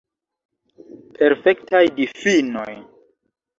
Perfektaj difinoj.